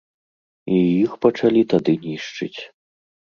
І іх пачалі тады нішчыць.